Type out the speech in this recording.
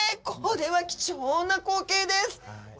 これは貴重な光景です。